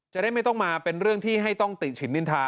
จะได้ไม่ต้องมาเป็นเรื่องที่ให้ต้องติฉินนินทา